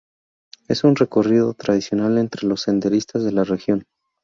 Es un recorrido tradicional entre los senderistas de la región.